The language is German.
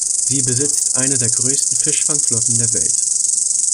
Sie besitzt eine der größten Fischfangflotten der Welt.